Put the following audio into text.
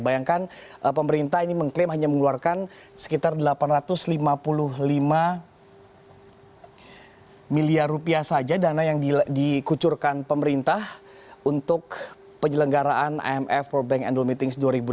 bayangkan pemerintah ini mengklaim hanya mengeluarkan sekitar delapan ratus lima puluh lima miliar rupiah saja dana yang dikucurkan pemerintah untuk penyelenggaraan imf world bank annual meetings dua ribu delapan belas